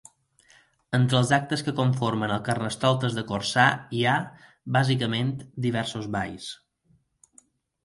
Entre els actes que conformen el carnestoltes de Corçà hi ha, bàsicament, diversos balls.